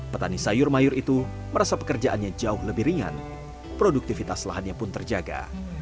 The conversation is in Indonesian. petani sayur mayur itu merasa pekerjaannya jauh lebih ringan produktivitas lahannya pun terjaga